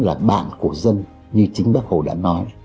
là bạn của dân như chính bác hồ đã nói